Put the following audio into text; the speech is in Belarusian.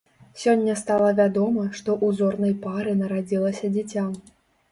Сёння стала вядома, што ў зорнай пары нарадзілася дзіця.